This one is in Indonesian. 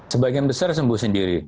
sebagian besar sembuh sendiri